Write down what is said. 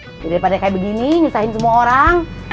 jadi daripada kayak begini nisahin semua orang